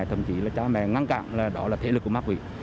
thậm chí là cha mẹ ngăn cạn là đó là thể lực của mắc vị